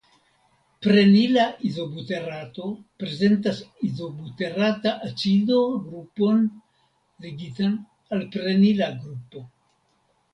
Prenila izobuterato prezentas Izobuterata acido grupon ligitan al prenila grupo.